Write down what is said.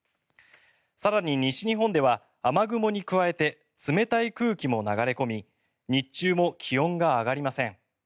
更に西日本では雨雲に加えて冷たい空気も流れ込み日中も気温が上がりません。